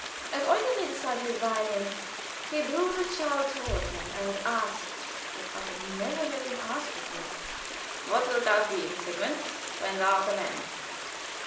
As Eugen laid aside his violin, he drew the child toward him, and asked (what I had never heard him ask before): "What wilt thou be, Sigmund, when thou art a man?"